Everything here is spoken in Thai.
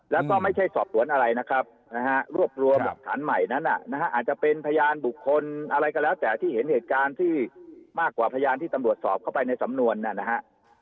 แล้วก็ไม่ใช่สอบสวนอะไรนะครับรวบรวมหลักฐานใหม่นั้นอาจจะเป็นพยานบุคคลอะไรก็แล้วแต่ที่เห็นเหตุการณ์ที่มากกว่าพยานที่ตำรวจสอบเข้าไปในสำนวนนะฮะ